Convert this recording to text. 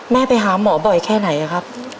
แม่ไปหาหมอบ่อยแค่ไหนครับ